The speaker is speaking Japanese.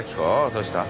どうした？